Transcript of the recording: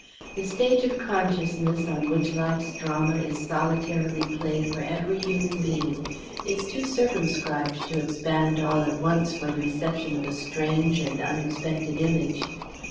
The stage of consciousness on which life's drama is solitarily played for every human being is too circumscribed to expand all at once for the reception of a strange and unexpected image.